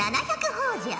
ほぉじゃ。